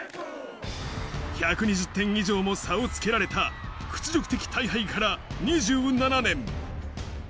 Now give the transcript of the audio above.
１２０点以上も差をつけられた屈辱的大敗から２７年。